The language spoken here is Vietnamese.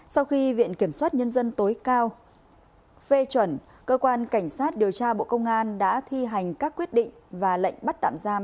sau khi viện kiểm soát nhân dân tối cao phê chuẩn cơ quan cảnh sát điều tra bộ công an đã thi hành các quyết định và lệnh bắt tạm giam